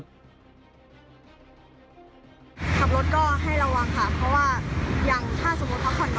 ดูรถให้ระวังค่ะ